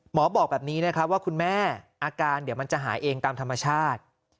บอกแบบนี้นะครับว่าคุณแม่อาการเดี๋ยวมันจะหายเองตามธรรมชาติ